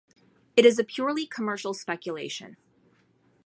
It is a purely commercial speculation.